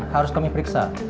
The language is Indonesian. harus kami periksa